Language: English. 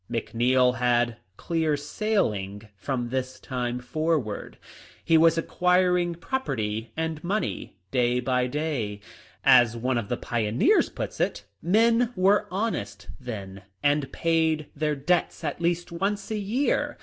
McNeil had clear sailing from this time forward. He was acquiring property and money day by day. As one of the pioneers puts it, " Men were honest then, and paid their debts at least once a year.